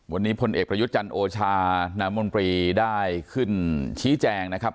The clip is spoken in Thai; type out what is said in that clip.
วันนี้พลเอกประยุทธ์จันทร์โอชานามนตรีได้ขึ้นชี้แจงนะครับ